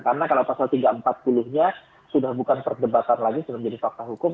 karena kalau pasal tiga ratus empat puluh nya sudah bukan perdebatan lagi sudah menjadi fakta hukum